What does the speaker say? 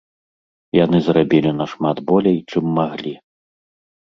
Яны зрабілі нашмат болей, чым маглі.